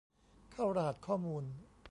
เข้ารหัสข้อมูล